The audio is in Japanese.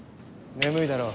眠いだろ？